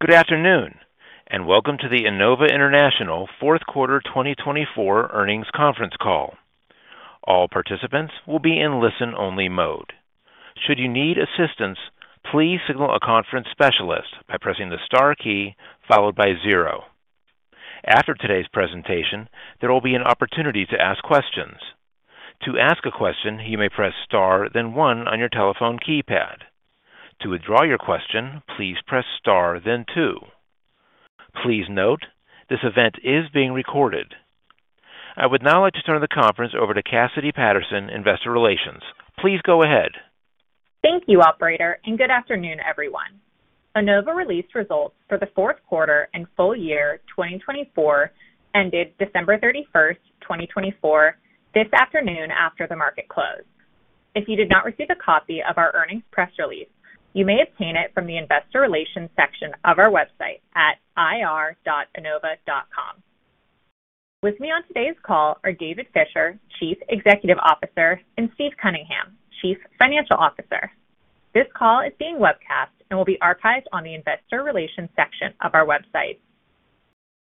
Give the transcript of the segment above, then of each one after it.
Good afternoon, and welcome to the Enova International Fourth Quarter 2024 Earnings Conference Call. All participants will be in listen-only mode. Should you need assistance, please signal a conference specialist by pressing the star key followed by zero. After today's presentation, there will be an opportunity to ask questions. To ask a question, you may press star, then one on your telephone keypad. To withdraw your question, please press star, then two. Please note, this event is being recorded. I would now like to turn the conference over to Cassidy Patterson, Investor Relations. Please go ahead. Thank you, Operator, and good afternoon, everyone. Enova released results for the fourth quarter and full year 2024, ended December 31st, 2024, this afternoon after the market closed. If you did not receive a copy of our earnings press release, you may obtain it from the Investor Relations section of our website at ir.enova.com. With me on today's call are David Fisher, Chief Executive Officer, and Steve Cunningham, Chief Financial Officer. This call is being webcast and will be archived on the Investor Relations section of our website.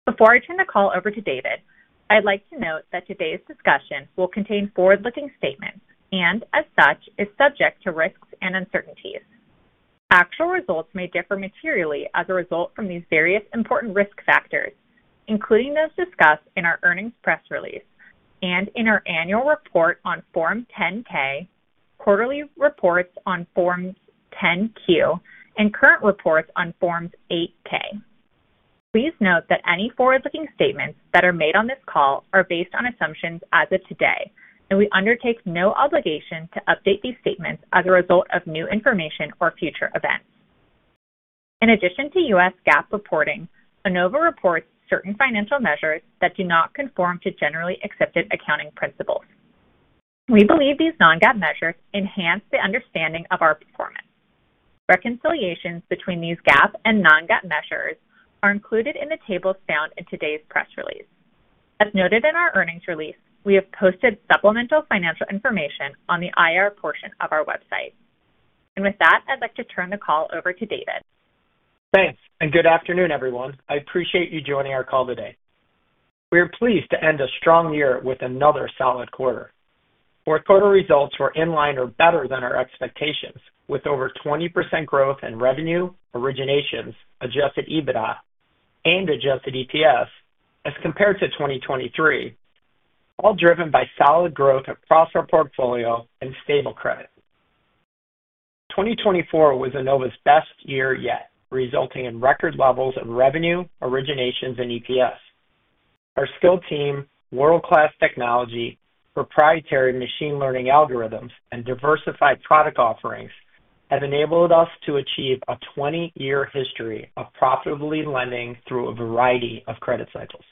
Before I turn the call over to David, I'd like to note that today's discussion will contain forward-looking statements and, as such, is subject to risks and uncertainties. Actual results may differ materially as a result from these various important risk factors, including those discussed in our earnings press release and in our annual report on Form 10-K, quarterly reports on Form 10-Q, and current reports on Form 8-K. Please note that any forward-looking statements that are made on this call are based on assumptions as of today, and we undertake no obligation to update these statements as a result of new information or future events. In addition to U.S. GAAP reporting, Enova reports certain financial measures that do not conform to generally accepted accounting principles. We believe these non-GAAP measures enhance the understanding of our performance. Reconciliations between these GAAP and non-GAAP measures are included in the tables found in today's press release. As noted in our earnings release, we have posted supplemental financial information on the IR portion of our website. With that, I'd like to turn the call over to David. Thanks, and good afternoon, everyone. I appreciate you joining our call today. We are pleased to end a strong year with another solid quarter. Fourth quarter results were in line or better than our expectations, with over 20% growth in revenue, originations, adjusted EBITDA, and adjusted EPS as compared to 2023, all driven by solid growth across our portfolio and stable credit. 2024 was Enova's best year yet, resulting in record levels of revenue, originations, and EPS. Our skilled team, world-class technology, proprietary machine learning algorithms, and diversified product offerings have enabled us to achieve a 20-year history of profitably lending through a variety of credit cycles.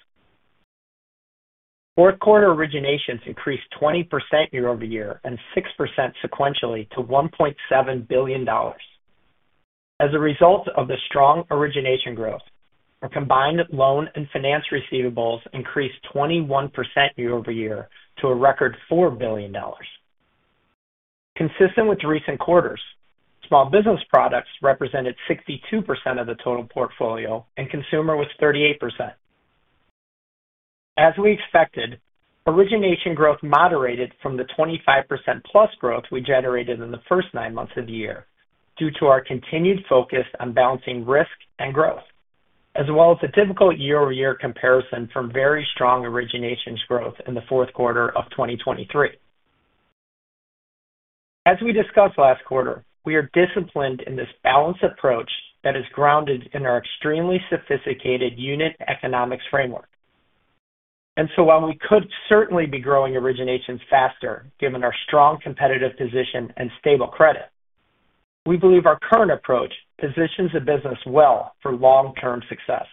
Fourth quarter originations increased 20% year over year and 6% sequentially to $1.7 billion. As a result of the strong origination growth, our combined loan and finance receivables increased 21% year over year to a record $4 billion. Consistent with recent quarters, small business products represented 62% of the total portfolio, and consumer was 38%. As we expected, origination growth moderated from the 25% plus growth we generated in the first nine months of the year due to our continued focus on balancing risk and growth, as well as a typical year-over-year comparison from very strong originations growth in the fourth quarter of 2023. As we discussed last quarter, we are disciplined in this balanced approach that is grounded in our extremely sophisticated unit economics framework. And so, while we could certainly be growing originations faster given our strong competitive position and stable credit, we believe our current approach positions the business well for long-term success.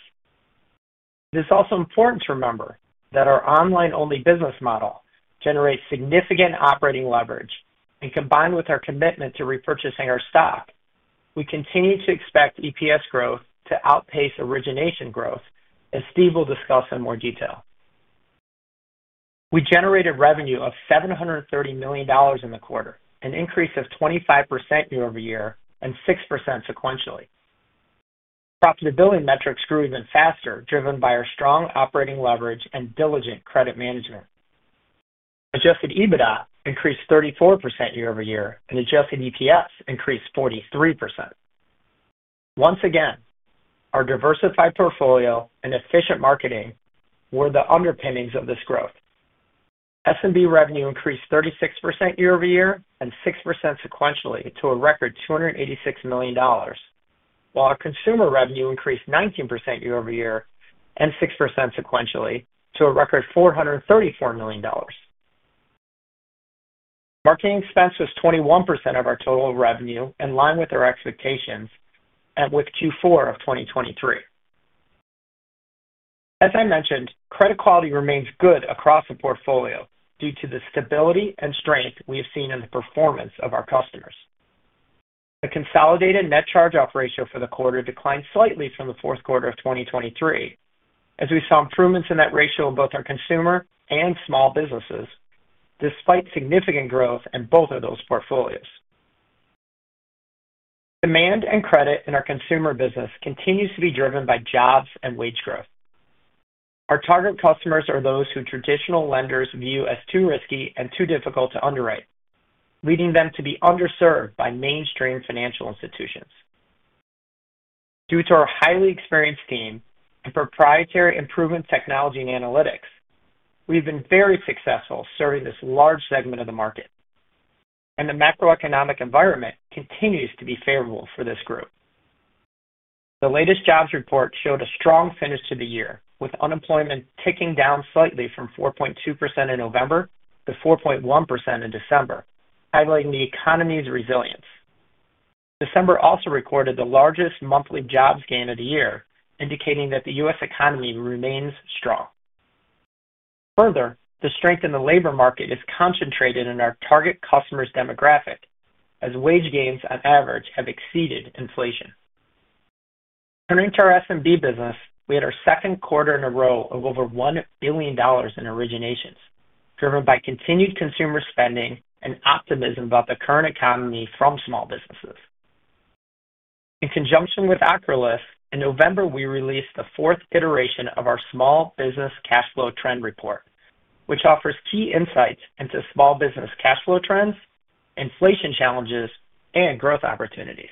It is also important to remember that our online-only business model generates significant operating leverage, and combined with our commitment to repurchasing our stock, we continue to expect EPS growth to outpace origination growth, as Steve will discuss in more detail. We generated revenue of $730 million in the quarter, an increase of 25% year over year and 6% sequentially. Profitability metrics grew even faster, driven by our strong operating leverage and diligent credit management. Adjusted EBITDA increased 34% year over year, and Adjusted EPS increased 43%. Once again, our diversified portfolio and efficient marketing were the underpinnings of this growth. SMB revenue increased 36% year over year and 6% sequentially to a record $286 million, while our consumer revenue increased 19% year over year and 6% sequentially to a record $434 million. Marketing expense was 21% of our total revenue, in line with our expectations with Q4 of 2023. As I mentioned, credit quality remains good across the portfolio due to the stability and strength we have seen in the performance of our customers. The consolidated net charge-off ratio for the quarter declined slightly from the fourth quarter of 2023, as we saw improvements in that ratio in both our consumer and small businesses, despite significant growth in both of those portfolios. Demand and credit in our consumer business continue to be driven by jobs and wage growth. Our target customers are those who traditional lenders view as too risky and too difficult to underwrite, leading them to be underserved by mainstream financial institutions. Due to our highly experienced team and proprietary improvement technology and analytics, we've been very successful serving this large segment of the market, and the macroeconomic environment continues to be favorable for this group. The latest jobs report showed a strong finish to the year, with unemployment ticking down slightly from 4.2% in November to 4.1% in December, highlighting the economy's resilience. December also recorded the largest monthly jobs gain of the year, indicating that the U.S. economy remains strong. Further, the strength in the labor market is concentrated in our target customers' demographic, as wage gains, on average, have exceeded inflation. Turning to our S&B business, we had our second quarter in a row of over $1 billion in originations, driven by continued consumer spending and optimism about the current economy from small businesses. In conjunction with Ocrolus, in November, we released the fourth iteration of our Small Business Cash Flow Trend Report, which offers key insights into small business cash flow trends, inflation challenges, and growth opportunities.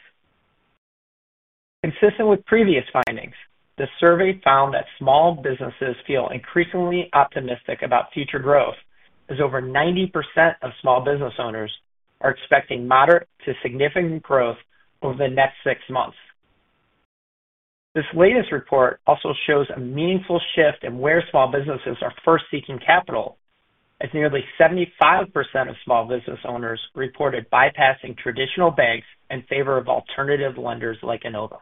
Consistent with previous findings, the survey found that small businesses feel increasingly optimistic about future growth, as over 90% of small business owners are expecting moderate to significant growth over the next six months. This latest report also shows a meaningful shift in where small businesses are first seeking capital, as nearly 75% of small business owners reported bypassing traditional banks in favor of alternative lenders like Enova.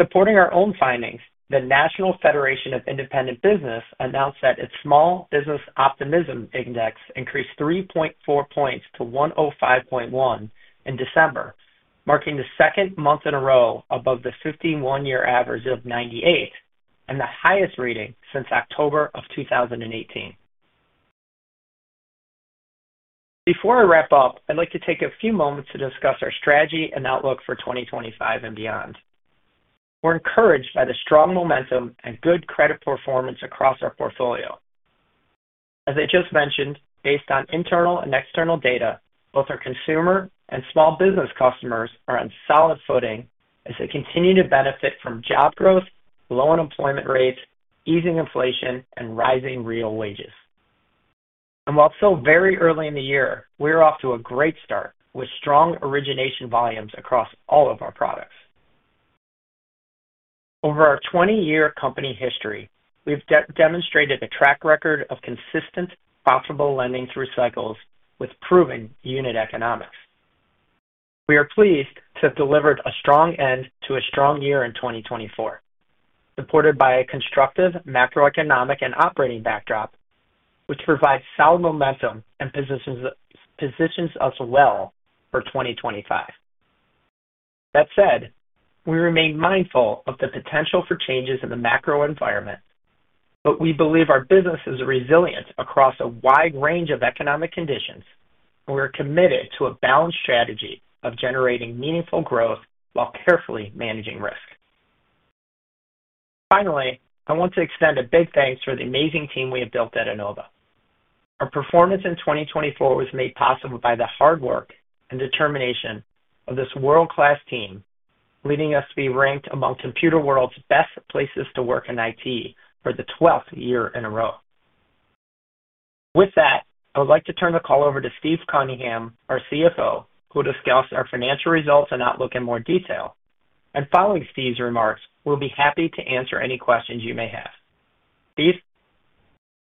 Supporting our own findings, the National Federation of Independent Business announced that its Small Business Optimism Index increased 3.4 points to 105.1 in December, marking the second month in a row above the 51-year average of 98 and the highest reading since October of 2018. Before I wrap up, I'd like to take a few moments to discuss our strategy and outlook for 2025 and beyond. We're encouraged by the strong momentum and good credit performance across our portfolio. As I just mentioned, based on internal and external data, both our consumer and small business customers are on solid footing as they continue to benefit from job growth, low unemployment rates, easing inflation, and rising real wages, and while still very early in the year, we're off to a great start with strong origination volumes across all of our products. Over our 20-year company history, we've demonstrated a track record of consistent, profitable lending through cycles with proven unit economics. We are pleased to have delivered a strong end to a strong year in 2024, supported by a constructive macroeconomic and operating backdrop, which provides solid momentum and positions us well for 2025. That said, we remain mindful of the potential for changes in the macro environment, but we believe our business is resilient across a wide range of economic conditions, and we're committed to a balanced strategy of generating meaningful growth while carefully managing risk. Finally, I want to extend a big thanks to the amazing team we have built at Enova. Our performance in 2024 was made possible by the hard work and determination of this world-class team, leading us to be ranked among Computerworld's best places to work in IT for the 12th year in a row. With that, I would like to turn the call over to Steve Cunningham, our CFO, who will discuss our financial results and outlook in more detail, and following Steve's remarks, we'll be happy to answer any questions you may have. Steve.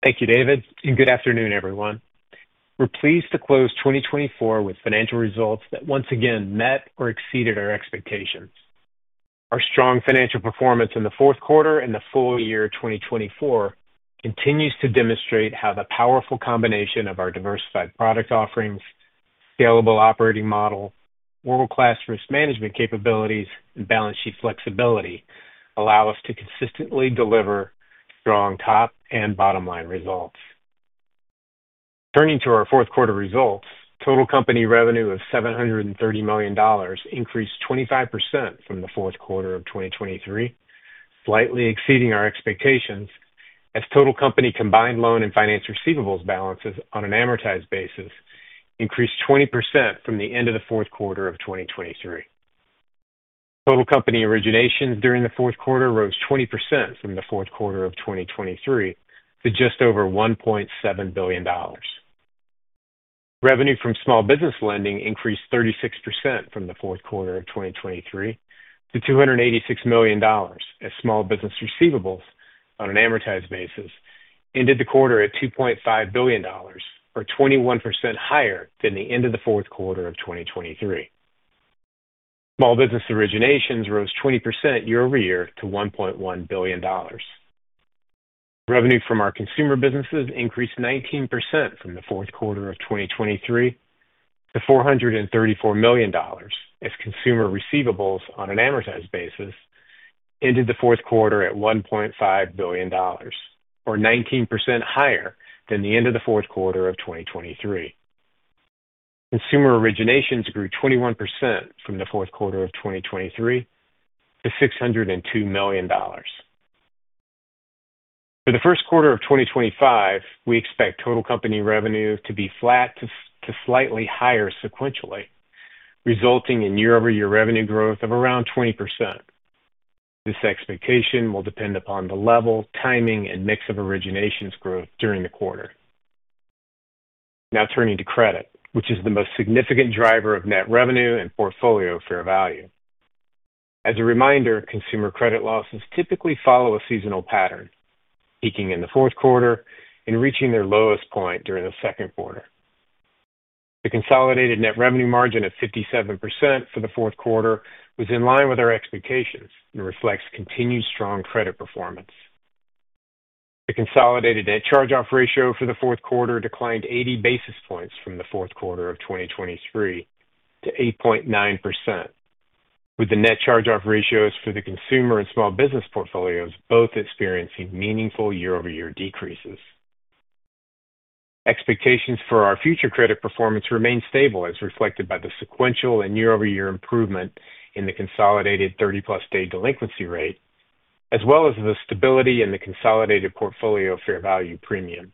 Thank you, David, and good afternoon, everyone. We're pleased to close 2024 with financial results that once again met or exceeded our expectations. Our strong financial performance in the fourth quarter and the full year 2024 continues to demonstrate how the powerful combination of our diversified product offerings, scalable operating model, world-class risk management capabilities, and balance sheet flexibility allow us to consistently deliver strong top and bottom-line results. Turning to our fourth quarter results, total company revenue of $730 million increased 25% from the fourth quarter of 2023, slightly exceeding our expectations as total company combined loan and finance receivables balances on an amortized basis increased 20% from the end of the fourth quarter of 2023. Total company originations during the fourth quarter rose 20% from the fourth quarter of 2023 to just over $1.7 billion. Revenue from small business lending increased 36% from the fourth quarter of 2023 to $286 million as small business receivables on an amortized basis ended the quarter at $2.5 billion, or 21% higher than the end of the fourth quarter of 2023. Small business originations rose 20% year over year to $1.1 billion. Revenue from our consumer businesses increased 19% from the fourth quarter of 2023 to $434 million as consumer receivables on an amortized basis ended the fourth quarter at $1.5 billion, or 19% higher than the end of the fourth quarter of 2023. Consumer originations grew 21% from the fourth quarter of 2023 to $602 million. For the first quarter of 2025, we expect total company revenue to be flat to slightly higher sequentially, resulting in year-over-year revenue growth of around 20%. This expectation will depend upon the level, timing, and mix of originations growth during the quarter. Now turning to credit, which is the most significant driver of net revenue and portfolio fair value. As a reminder, consumer credit losses typically follow a seasonal pattern, peaking in the fourth quarter and reaching their lowest point during the second quarter. The consolidated net revenue margin of 57% for the fourth quarter was in line with our expectations and reflects continued strong credit performance. The consolidated net charge-off ratio for the fourth quarter declined 80 basis points from the fourth quarter of 2023 to 8.9%, with the net charge-off ratios for the consumer and small business portfolios both experiencing meaningful year-over-year decreases. Expectations for our future credit performance remain stable, as reflected by the sequential and year-over-year improvement in the consolidated 30-plus-day delinquency rate, as well as the stability in the consolidated portfolio fair value premium.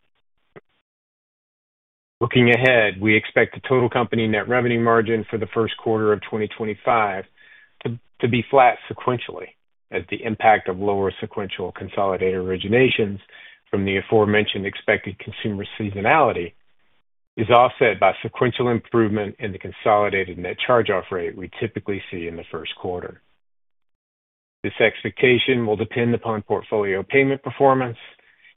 Looking ahead, we expect the total company net revenue margin for the first quarter of 2025 to be flat sequentially, as the impact of lower sequential consolidated originations from the aforementioned expected consumer seasonality is offset by sequential improvement in the consolidated net charge-off rate we typically see in the first quarter. This expectation will depend upon portfolio payment performance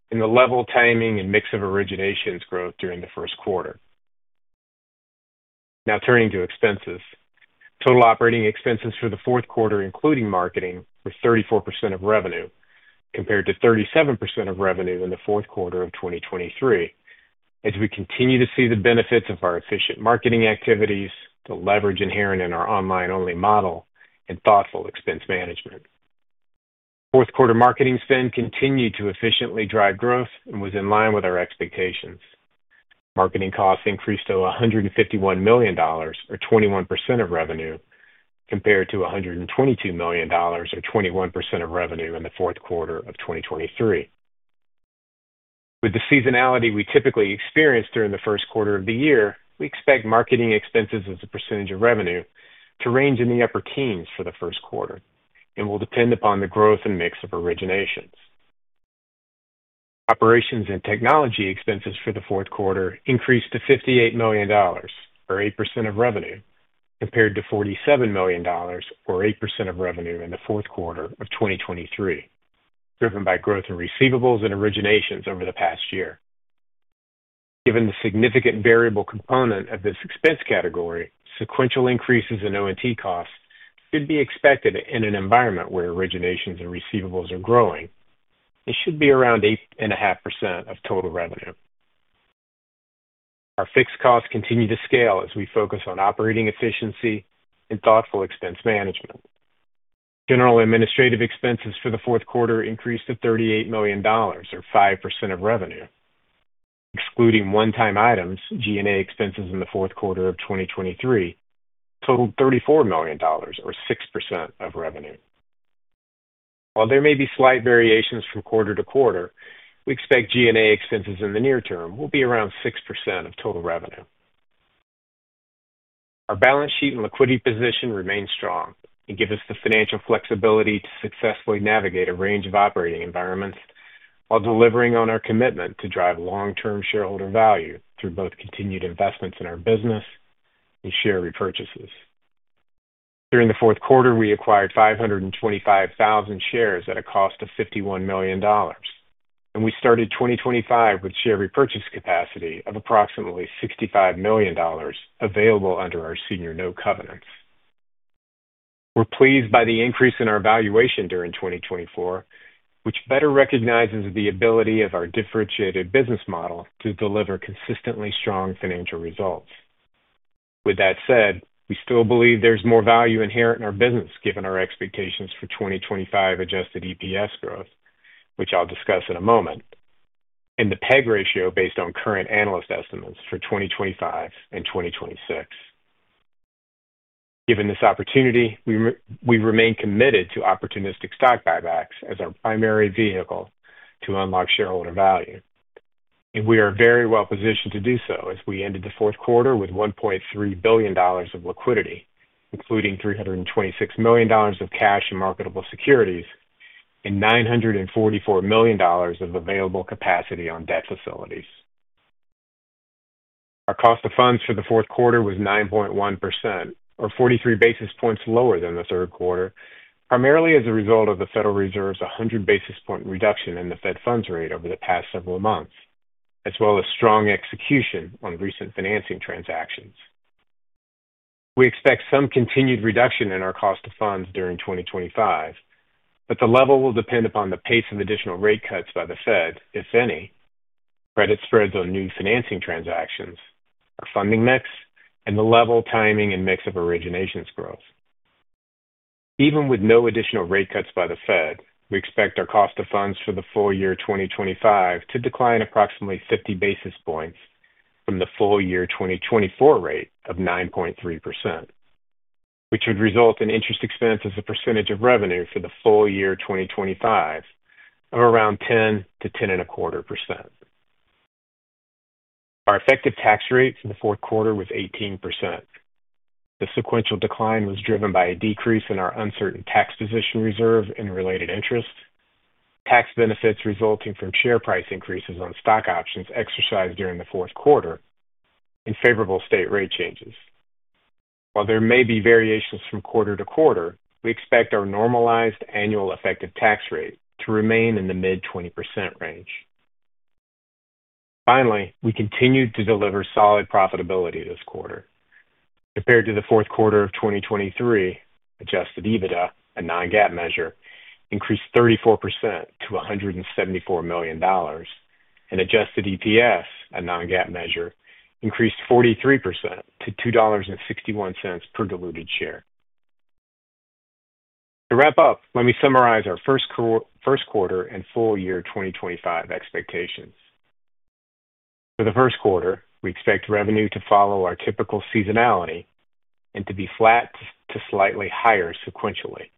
and the level, timing, and mix of originations growth during the first quarter. Now turning to expenses, total operating expenses for the fourth quarter, including marketing, were 34% of revenue compared to 37% of revenue in the fourth quarter of 2023, as we continue to see the benefits of our efficient marketing activities, the leverage inherent in our online-only model, and thoughtful expense management. Fourth quarter marketing spend continued to efficiently drive growth and was in line with our expectations. Marketing costs increased to $151 million, or 21% of revenue, compared to $122 million, or 21% of revenue in the fourth quarter of 2023. With the seasonality we typically experience during the first quarter of the year, we expect marketing expenses as a percentage of revenue to range in the upper teens for the first quarter and will depend upon the growth and mix of originations. Operations and technology expenses for the fourth quarter increased to $58 million, or 8% of revenue, compared to $47 million, or 8% of revenue in the fourth quarter of 2023, driven by growth in receivables and originations over the past year. Given the significant variable component of this expense category, sequential increases in O&T costs should be expected in an environment where originations and receivables are growing. It should be around 8.5% of total revenue. Our fixed costs continue to scale as we focus on operating efficiency and thoughtful expense management. General administrative expenses for the fourth quarter increased to $38 million, or 5% of revenue. Excluding one-time items, G&A expenses in the fourth quarter of 2023 totaled $34 million, or 6% of revenue. While there may be slight variations from quarter to quarter, we expect G&A expenses in the near term will be around 6% of total revenue. Our balance sheet and liquidity position remain strong and give us the financial flexibility to successfully navigate a range of operating environments while delivering on our commitment to drive long-term shareholder value through both continued investments in our business and share repurchases. During the fourth quarter, we acquired 525,000 shares at a cost of $51 million, and we started 2025 with share repurchase capacity of approximately $65 million available under our senior note covenants. We're pleased by the increase in our valuation during 2024, which better recognizes the ability of our differentiated business model to deliver consistently strong financial results. With that said, we still believe there's more value inherent in our business given our expectations for 2025 adjusted EPS growth, which I'll discuss in a moment, and the PEG ratio based on current analyst estimates for 2025 and 2026. Given this opportunity, we remain committed to opportunistic stock buybacks as our primary vehicle to unlock shareholder value. And we are very well positioned to do so as we ended the fourth quarter with $1.3 billion of liquidity, including $326 million of cash and marketable securities and $944 million of available capacity on debt facilities. Our cost of funds for the fourth quarter was 9.1%, or 43 basis points lower than the third quarter, primarily as a result of the Federal Reserve's 100 basis point reduction in the Fed funds rate over the past several months, as well as strong execution on recent financing transactions. We expect some continued reduction in our cost of funds during 2025, but the level will depend upon the pace of additional rate cuts by the Fed, if any, credit spreads on new financing transactions, our funding mix, and the level, timing, and mix of originations growth. Even with no additional rate cuts by the Fed, we expect our cost of funds for the full year 2025 to decline approximately 50 basis points from the full year 2024 rate of 9.3%, which would result in interest expenses as a percentage of revenue for the full year 2025 of around 10%-10.25%. Our effective tax rate for the fourth quarter was 18%. The sequential decline was driven by a decrease in our uncertain tax position reserve and related interest, tax benefits resulting from share price increases on stock options exercised during the fourth quarter, and favorable state rate changes. While there may be variations from quarter to quarter, we expect our normalized annual effective tax rate to remain in the mid-20% range. Finally, we continued to deliver solid profitability this quarter. Compared to the fourth quarter of 2023, Adjusted EBITDA, a non-GAAP measure, increased 34% to $174 million, and Adjusted EPS, a non-GAAP measure, increased 43% to $2.61 per diluted share. To wrap up, let me summarize our first quarter and full year 2025 expectations. For the first quarter, we expect revenue to follow our typical seasonality and to be flat to slightly higher sequentially.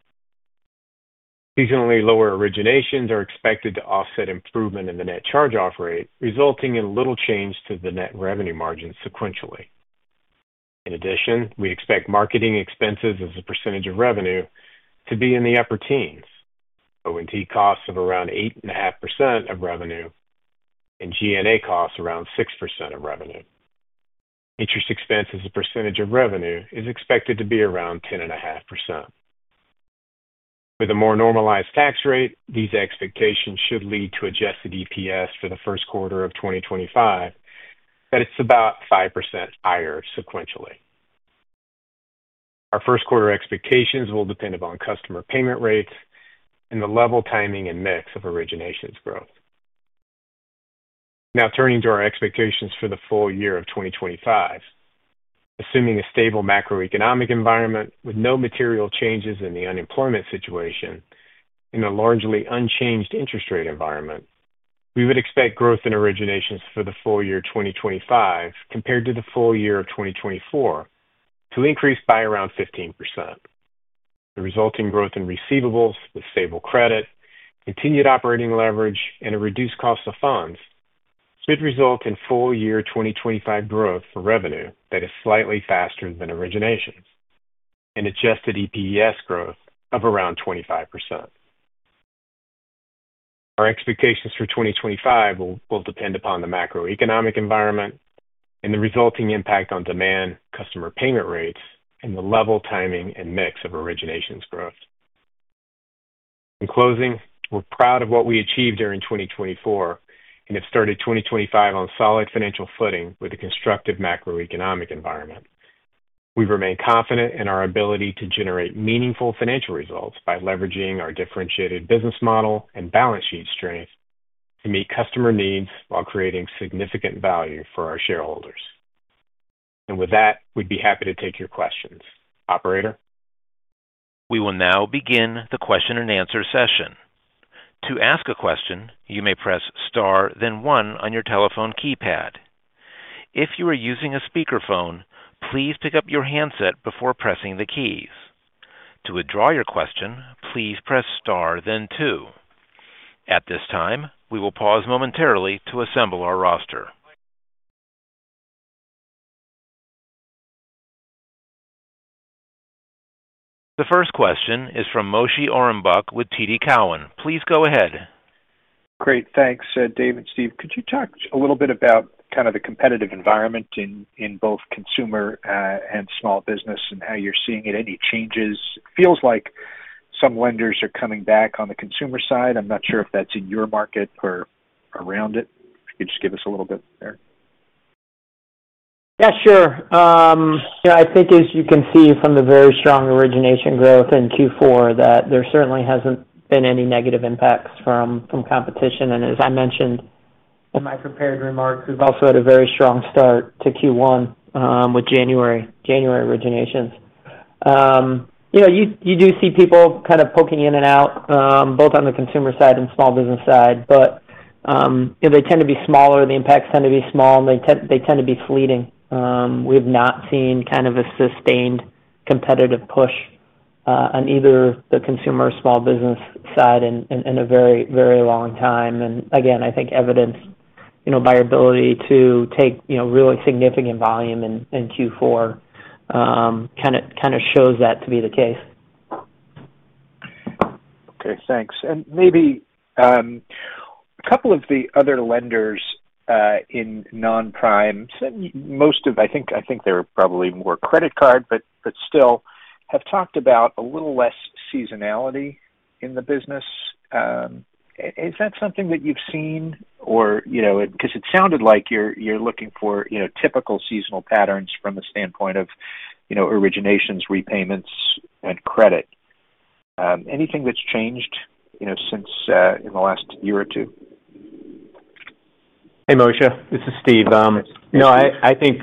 Seasonally lower originations are expected to offset improvement in the net charge-off rate, resulting in little change to the net revenue margin sequentially. In addition, we expect marketing expenses as a percentage of revenue to be in the upper teens, O&T costs of around 8.5% of revenue, and G&A costs around 6% of revenue. Interest expenses as a percentage of revenue is expected to be around 10.5%. With a more normalized tax rate, these expectations should lead to adjusted EPS for the first quarter of 2025 that it's about 5% higher sequentially. Our first quarter expectations will depend upon customer payment rates and the level, timing, and mix of originations growth. Now turning to our expectations for the full year of 2025, assuming a stable macroeconomic environment with no material changes in the unemployment situation and a largely unchanged interest rate environment, we would expect growth in originations for the full year 2025 compared to the full year of 2024 to increase by around 15%. The resulting growth in receivables with stable credit, continued operating leverage, and a reduced cost of funds should result in full year 2025 growth for revenue that is slightly faster than originations and adjusted EPS growth of around 25%. Our expectations for 2025 will depend upon the macroeconomic environment and the resulting impact on demand, customer payment rates, and the level, timing, and mix of originations growth. In closing, we're proud of what we achieved during 2024 and have started 2025 on solid financial footing with a constructive macroeconomic environment. We remain confident in our ability to generate meaningful financial results by leveraging our differentiated business model and balance sheet strength to meet customer needs while creating significant value for our shareholders. And with that, we'd be happy to take your questions, Operator. We will now begin the question and answer session. To ask a question, you may press star, then one on your telephone keypad. If you are using a speakerphone, please pick up your handset before pressing the keys. To withdraw your question, please press star, then two. At this time, we will pause momentarily to assemble our roster. The first question is from Moshe Orenbuch with TD Cowen. Please go ahead. Great. Thanks, David. Steve, could you talk a little bit about kind of the competitive environment in both consumer and small business and how you're seeing it? Any changes? It feels like some lenders are coming back on the consumer side. I'm not sure if that's in your market or around it. If you could just give us a little bit there. Yeah, sure. I think, as you can see from the very strong origination growth in Q4, that there certainly hasn't been any negative impacts from competition. And as I mentioned in my prepared remarks, we've also had a very strong start to Q1 with January originations. You do see people kind of poking in and out, both on the consumer side and small business side, but they tend to be smaller, the impacts tend to be small, and they tend to be fleeting. We have not seen kind of a sustained competitive push on either the consumer or small business side in a very, very long time. And again, I think evidenced by our ability to take really significant volume in Q4 kind of shows that to be the case. Okay. Thanks. And maybe a couple of the other lenders in non-prime, most of, I think they're probably more credit card, but still have talked about a little less seasonality in the business. Is that something that you've seen? Or because it sounded like you're looking for typical seasonal patterns from the standpoint of originations, repayments, and credit. Anything that's changed since in the last year or two? Hey, Moshe. This is Steve. No, I think,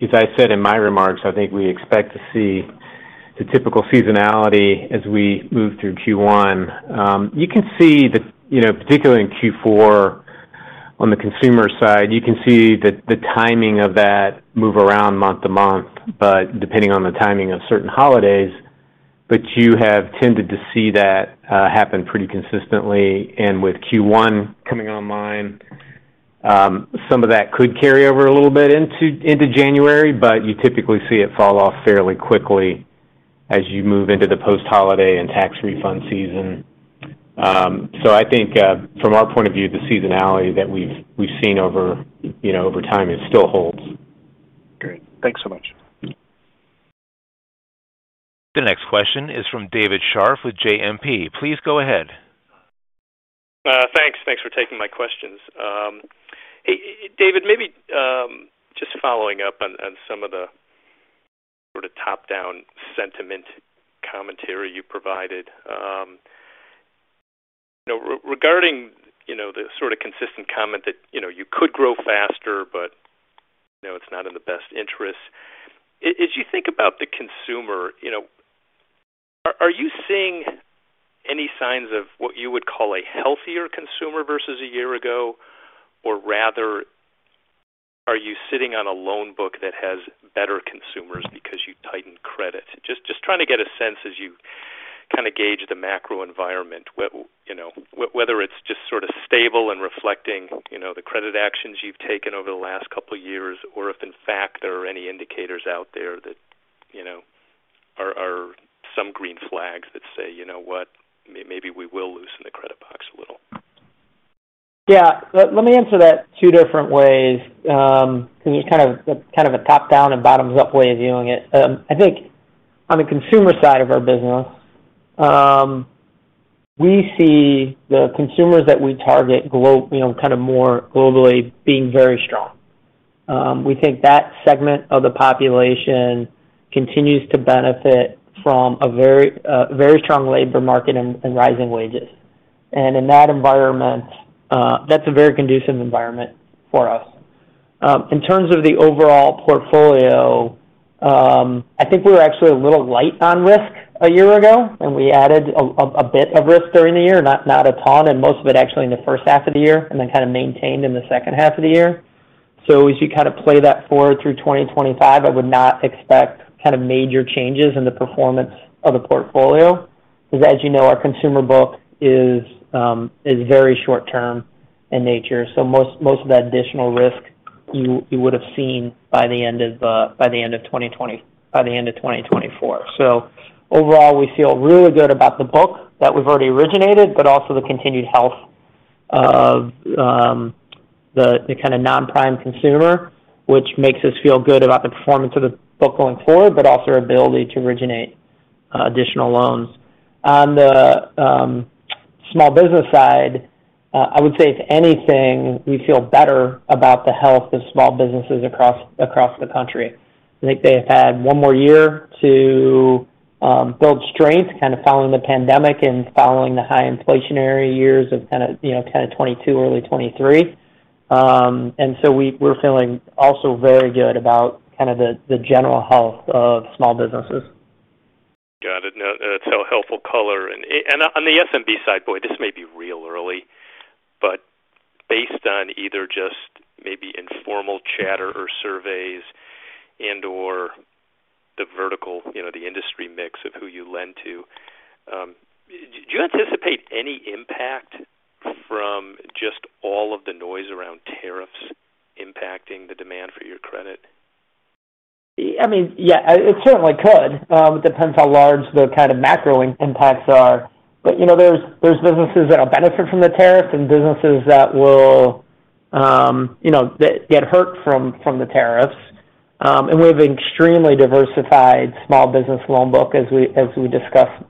as I said in my remarks, I think we expect to see the typical seasonality as we move through Q1. You can see that, particularly in Q4 on the consumer side. You can see the timing of that move around month to month, but depending on the timing of certain holidays. But you have tended to see that happen pretty consistently. And with Q1 coming online, some of that could carry over a little bit into January, but you typically see it fall off fairly quickly as you move into the post-holiday and tax refund season. So I think, from our point of view, the seasonality that we've seen over time still holds. Great. Thanks so much. The next question is from David Scharf with JMP. Please go ahead. Thanks. Thanks for taking my questions. David, maybe just following up on some of the sort of top-down sentiment commentary you provided regarding the sort of consistent comment that you could grow faster, but it's not in the best interests. As you think about the consumer, are you seeing any signs of what you would call a healthier consumer versus a year ago? Or rather, are you sitting on a loan book that has better consumers because you tightened credit? Just trying to get a sense as you kind of gauge the macro environment, whether it's just sort of stable and reflecting the credit actions you've taken over the last couple of years, or if, in fact, there are any indicators out there that are some green flags that say, "You know what? Maybe we will loosen the credit box a little." Yeah. Let me answer that two different ways because there's kind of a top-down and bottoms-up way of viewing it. I think on the consumer side of our business, we see the consumers that we target kind of more globally being very strong. We think that segment of the population continues to benefit from a very strong labor market and rising wages. And in that environment, that's a very conducive environment for us. In terms of the overall portfolio, I think we were actually a little light on risk a year ago, and we added a bit of risk during the year, not a ton, and most of it actually in the first half of the year and then kind of maintained in the second half of the year. So as you kind of play that forward through 2025, I would not expect kind of major changes in the performance of the portfolio because, as you know, our consumer book is very short-term in nature. So most of that additional risk you would have seen by the end of 2020, by the end of 2024. So overall, we feel really good about the book that we've already originated, but also the continued health of the kind of non-prime consumer, which makes us feel good about the performance of the book going forward, but also our ability to originate additional loans. On the small business side, I would say, if anything, we feel better about the health of small businesses across the country. I think they have had one more year to build strength kind of following the pandemic and following the high inflationary years of kind of 2022, early 2023, and so we're feeling also very good about kind of the general health of small businesses. Got it. That's a helpful color, and on the SMB side, boy, this may be real early, but based on either just maybe informal chatter or surveys and/or the vertical, the industry mix of who you lend to, do you anticipate any impact from just all of the noise around tariffs impacting the demand for your credit? I mean, yeah, it certainly could. It depends how large the kind of macro impacts are, but there's businesses that will benefit from the tariffs and businesses that will get hurt from the tariffs, and we have an extremely diversified small business loan book, as we discussed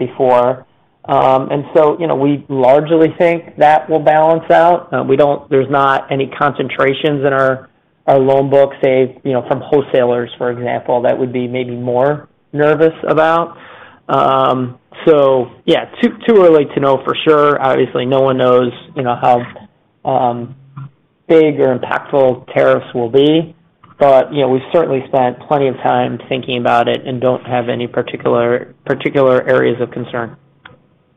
before. And so we largely think that will balance out. There's not any concentrations in our loan book from wholesalers, for example, that would be maybe more nervous about. So yeah, too early to know for sure. Obviously, no one knows how big or impactful tariffs will be, but we've certainly spent plenty of time thinking about it and don't have any particular areas of concern.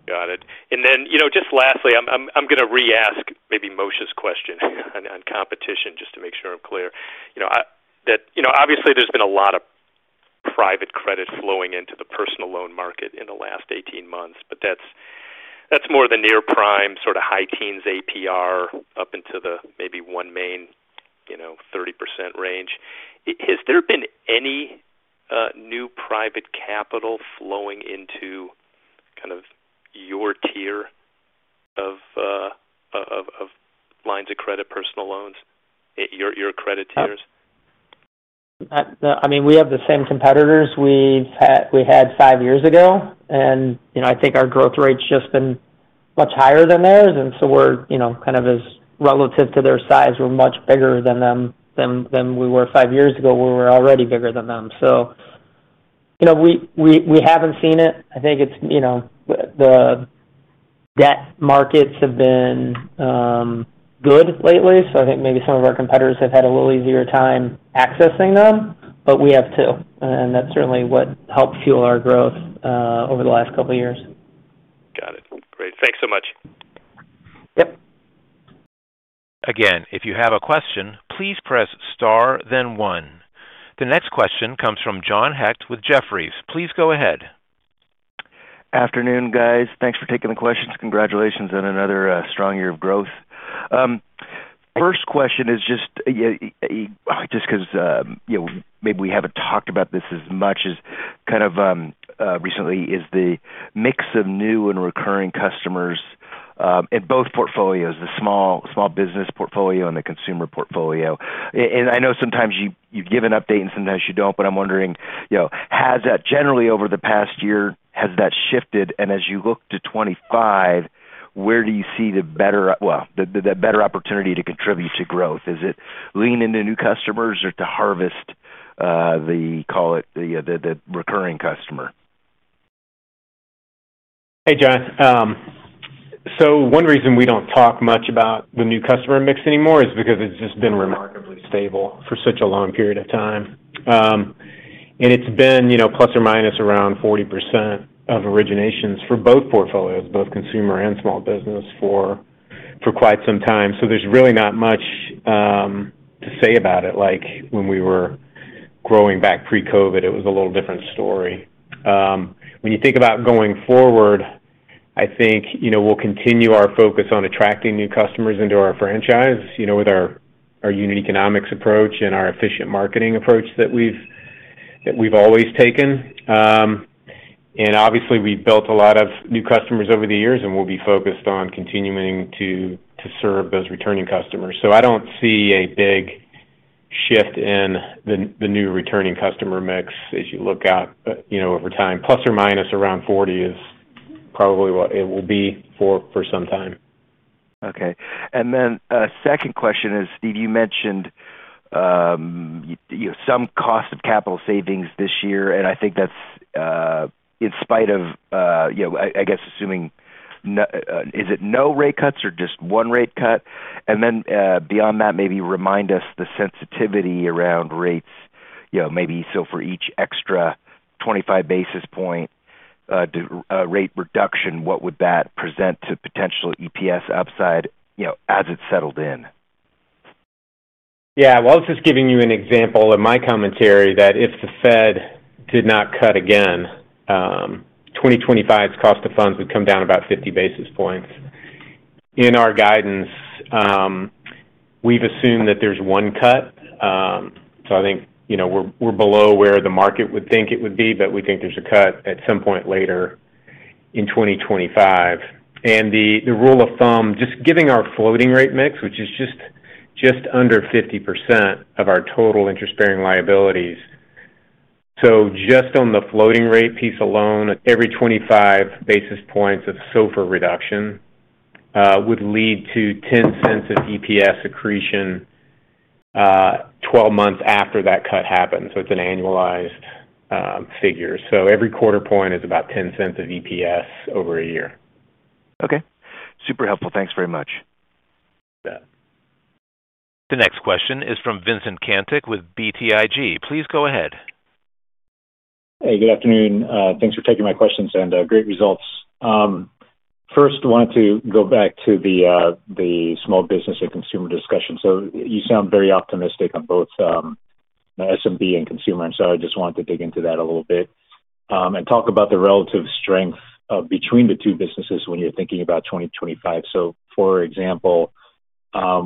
Got it. And then just lastly, I'm going to re-ask maybe Moshe's question on competition just to make sure I'm clear. Obviously, there's been a lot of private credit flowing into the personal loan market in the last 18 months, but that's more the near prime, sort of high teens APR up into the maybe OneMain 30% range. Has there been any new private capital flowing into kind of your tier of lines of credit, personal loans, your credit tiers? I mean, we have the same competitors we had five years ago, and I think our growth rate's just been much higher than theirs, and so we're kind of as relative to their size, we're much bigger than them than we were five years ago. We were already bigger than them, so we haven't seen it. I think the debt markets have been good lately, so I think maybe some of our competitors have had a little easier time accessing them, but we have too, and that's certainly what helped fuel our growth over the last couple of years. Got it. Great. Thanks so much. Yep. Again, if you have a question, please press star, then one. The next question comes from John Hecht with Jefferies. Please go ahead. Afternoon, guys. Thanks for taking the questions. Congratulations on another strong year of growth. First question is just because maybe we haven't talked about this as much as kind of recently is the mix of new and recurring customers in both portfolios, the small business portfolio and the consumer portfolio. And I know sometimes you give an update and sometimes you don't, but I'm wondering, has that generally over the past year, has that shifted? And as you look to 2025, where do you see the better opportunity to contribute to growth? Is it lean into new customers or to harvest the, call it, the recurring customer? Hey, John. So one reason we don't talk much about the new customer mix anymore is because it's just been remarkably stable for such a long period of time. And it's been plus or minus around 40% of originations for both portfolios, both consumer and small business, for quite some time. So there's really not much to say about it. Like when we were growing back pre-COVID, it was a little different story. When you think about going forward, I think we'll continue our focus on attracting new customers into our franchise with our unit economics approach and our efficient marketing approach that we've always taken. And obviously, we've built a lot of new customers over the years, and we'll be focused on continuing to serve those returning customers. So I don't see a big shift in the new returning customer mix as you look out over time. Plus or minus around 40 is probably what it will be for some time. Okay. And then a second question is, Steve, you mentioned some cost of capital savings this year, and I think that's in spite of, I guess, assuming, is it no rate cuts or just one rate cut? And then beyond that, maybe remind us the sensitivity around rates. Maybe so for each extra 25 basis point rate reduction, what would that present to potential EPS upside as it's settled in? Yeah. Well, this is giving you an example of my commentary that if the Fed did not cut again, 2025's cost of funds would come down about 50 basis points. In our guidance, we've assumed that there's one cut. So I think we're below where the market would think it would be, but we think there's a cut at some point later in 2025. And the rule of thumb, just giving our floating rate mix, which is just under 50% of our total interest-bearing liabilities. So just on the floating rate piece alone, every 25 basis points of SOFR reduction would lead to $0.10 of EPS accretion 12 months after that cut happens. So it's an annualized figure. So every quarter point is about $0.10 of EPS over a year. Okay. Super helpful. Thanks very much. The next question is from Vincent Caintic with BTIG. Please go ahead. Hey, good afternoon. Thanks for taking my questions and great results. First, I wanted to go back to the small business and consumer discussion. So you sound very optimistic on both SMB and consumer. And so I just wanted to dig into that a little bit and talk about the relative strength between the two businesses when you're thinking about 2025. So for example,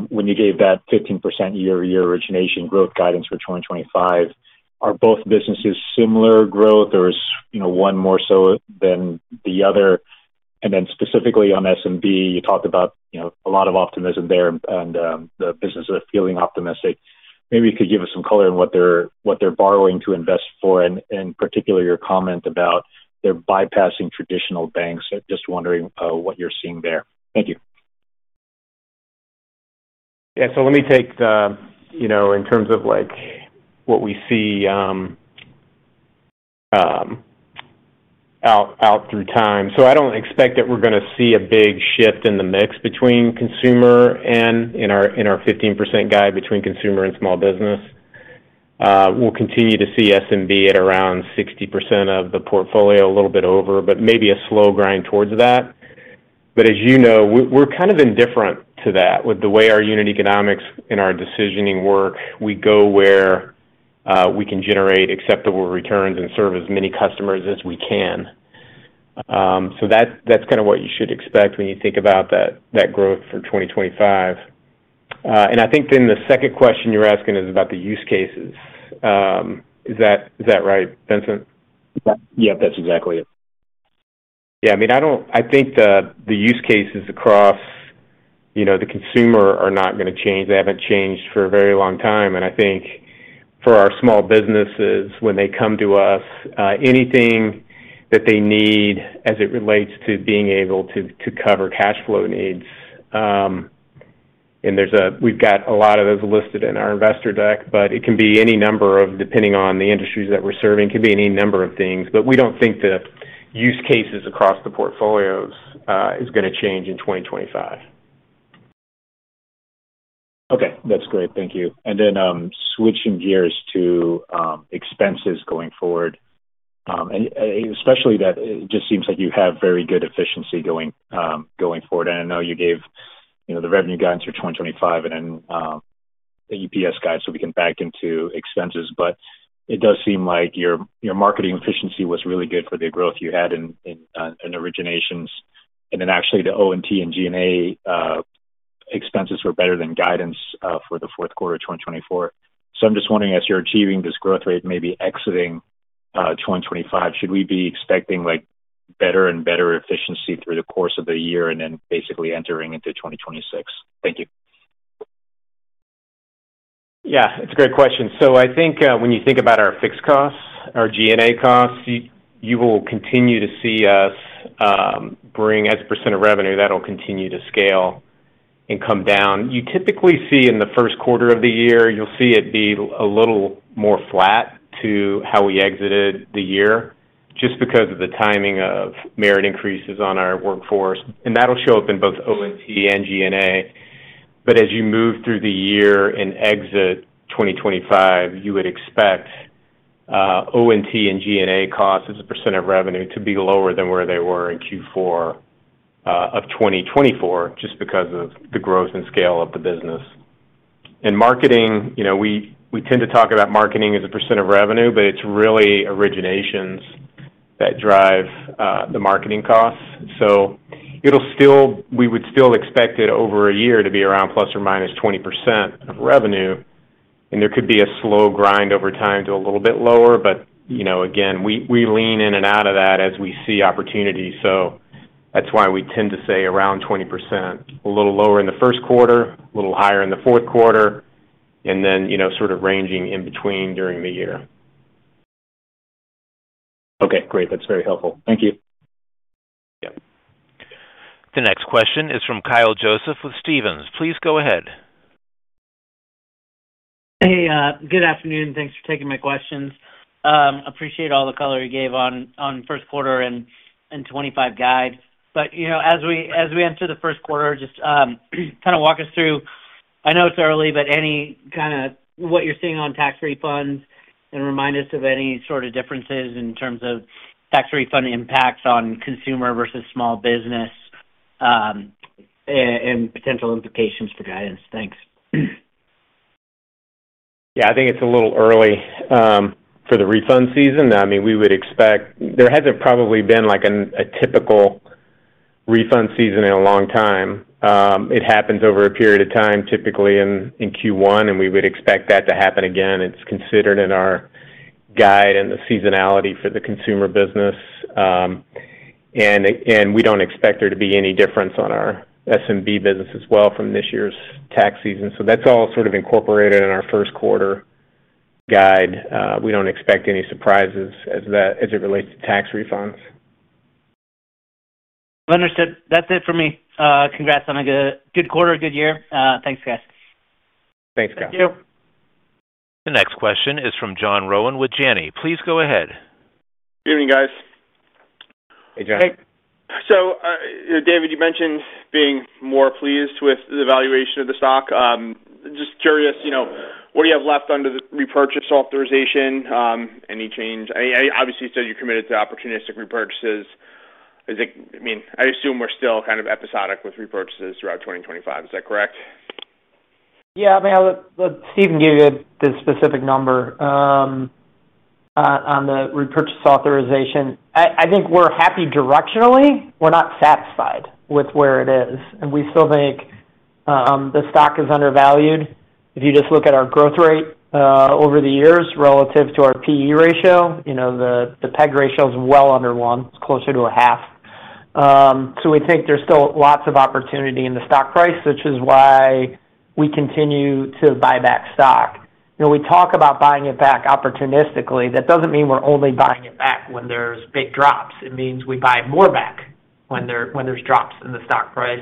when you gave that 15% year-over-year origination growth guidance for 2025, are both businesses similar growth or one more so than the other? And then specifically on SMB, you talked about a lot of optimism there, and the businesses are feeling optimistic. Maybe you could give us some color on what they're borrowing to invest for, and particularly your comment about their bypassing traditional banks. Just wondering what you're seeing there. Thank you. Yeah. So let me take that in terms of what we see over time. So I don't expect that we're going to see a big shift in the mix between consumer and small business in our 15% guide. We'll continue to see SMB at around 60% of the portfolio, a little bit over, but maybe a slow grind towards that. But as you know, we're kind of indifferent to that. With the way our unit economics and our decisioning work, we go where we can generate acceptable returns and serve as many customers as we can. So that's kind of what you should expect when you think about that growth for 2025. And I think then the second question you're asking is about the use cases. Is that right, Vincent? Yeah. Yep. That's exactly it. Yeah. I mean, I think the use cases across the consumer are not going to change. They haven't changed for a very long time. And I think for our small businesses, when they come to us, anything that they need as it relates to being able to cover cash flow needs, and we've got a lot of those listed in our investor deck, but it can be any number of, depending on the industries that we're serving, can be any number of things. But we don't think the use cases across the portfolios are going to change in 2025. Okay. That's great. Thank you. And then switching gears to expenses going forward, especially that it just seems like you have very good efficiency going forward. And I know you gave the revenue guidance for 2025 and then the EPS guide, so we can back into expenses. But it does seem like your marketing efficiency was really good for the growth you had in originations. And then actually, the O&T and G&A expenses were better than guidance for the fourth quarter of 2024. So I'm just wondering, as you're achieving this growth rate, maybe exiting 2025, should we be expecting better and better efficiency through the course of the year and then basically entering into 2026? Thank you. Yeah. It's a great question. So I think when you think about our fixed costs, our G&A costs, you will continue to see us bring as a % of revenue, that'll continue to scale and come down. You typically see in the first quarter of the year, you'll see it be a little more flat to how we exited the year just because of the timing of merit increases on our workforce. And that'll show up in both O&T and G&A. But as you move through the year and exit 2025, you would expect O&T and G&A costs as a % of revenue to be lower than where they were in Q4 of 2024 just because of the growth and scale of the business. And marketing, we tend to talk about marketing as a % of revenue, but it's really originations that drive the marketing costs. So we would still expect it over a year to be around plus or minus 20% of revenue. And there could be a slow grind over time to a little bit lower. But again, we lean in and out of that as we see opportunity. So that's why we tend to say around 20%, a little lower in the first quarter, a little higher in the fourth quarter, and then sort of ranging in between during the year. Okay. Great. That's very helpful. Thank you. Yep. The next question is from Kyle Joseph with Stephens. Please go ahead. Hey, good afternoon. Thanks for taking my questions. Appreciate all the color you gave on first quarter and 2025 guide. But as we enter the first quarter, just kind of walk us through, I know it's early, but any kind of what you're seeing on tax refunds and remind us of any sort of differences in terms of tax refund impacts on consumer versus small business and potential implications for guidance. Thanks. Yeah. I think it's a little early for the refund season. I mean, we would expect there hasn't probably been a typical refund season in a long time. It happens over a period of time, typically in Q1, and we would expect that to happen again. It's considered in our guide and the seasonality for the consumer business. We don't expect there to be any difference on our SMB business as well from this year's tax season. So that's all sort of incorporated in our first quarter guide. We don't expect any surprises as it relates to tax refunds. Understood. That's it for me. Congrats on a good quarter, good year. Thanks, guys. Thanks, guys. Thank you. The next question is from John Rowan with Janney Montgomery Scott. Please go ahead. Good evening, guys. Hey, John. Hey. So David, you mentioned being more pleased with the valuation of the stock. Just curious, what do you have left under the repurchase authorization? Any change? Obviously, you said you're committed to opportunistic repurchases. I mean, I assume we're still kind of episodic with repurchases throughout 2025. Is that correct? Yeah. I mean, let Steve give you the specific number on the repurchase authorization. I think we're happy directionally. We're not satisfied with where it is, and we still think the stock is undervalued. If you just look at our growth rate over the years relative to our PE ratio, the PEG ratio is well under one. It's closer to a half. So we think there's still lots of opportunity in the stock price, which is why we continue to buy back stock. We talk about buying it back opportunistically. That doesn't mean we're only buying it back when there's big drops. It means we buy more back when there's drops in the stock price.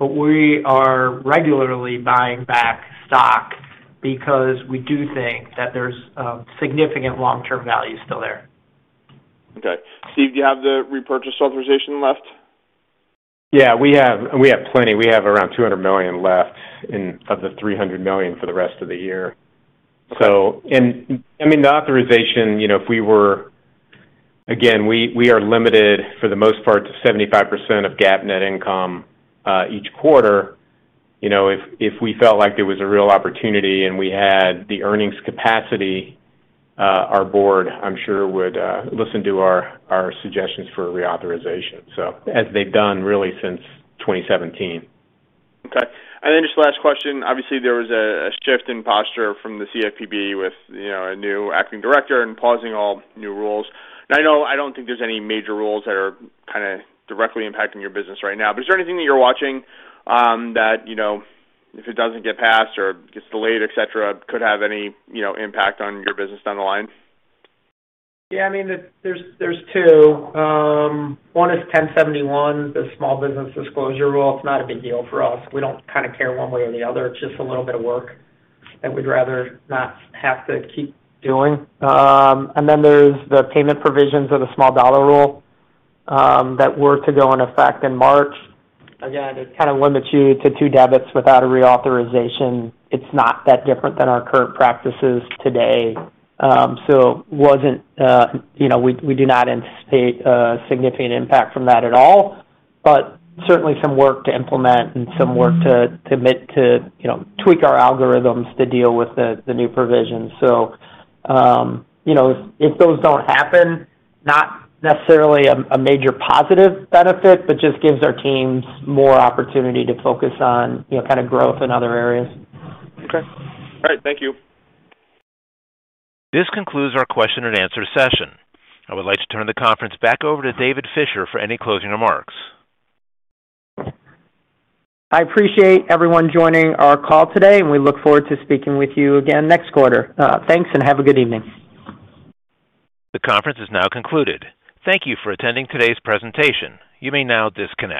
But we are regularly buying back stock because we do think that there's significant long-term value still there. Okay. Steve, do you have the repurchase authorization left? Yeah. We have plenty. We have around $200 million left of the $300 million for the rest of the year. And I mean, the authorization, if we were again, we are limited for the most part to 75% of GAAP net income each quarter. If we felt like there was a real opportunity and we had the earnings capacity, our board, I'm sure, would listen to our suggestions for reauthorization, so as they've done really since 2017. Okay. And then just last question. Obviously, there was a shift in posture from the CFPB with a new acting director and pausing all new rules. And I don't think there's any major rules that are kind of directly impacting your business right now. Is there anything that you're watching that if it doesn't get passed or gets delayed, etc., could have any impact on your business down the line? Yeah. I mean, there's two. One is 1071, the small business disclosure rule. It's not a big deal for us. We don't kind of care one way or the other. It's just a little bit of work that we'd rather not have to keep doing. Then there's the payment provisions of the small dollar rule that were to go in effect in March. Again, it kind of limits you to two debits without a reauthorization. It's not that different than our current practices today. So we do not anticipate a significant impact from that at all, but certainly some work to implement and some work to tweak our algorithms to deal with the new provisions. So if those don't happen, not necessarily a major positive benefit, but just gives our teams more opportunity to focus on kind of growth in other areas. Okay. All right. Thank you. This concludes our question-and-answer session. I would like to turn the conference back over to David Fisher for any closing remarks. I appreciate everyone joining our call today, and we look forward to speaking with you again next quarter. Thanks, and have a good evening. The conference is now concluded. Thank you for attending today's presentation. You may now disconnect.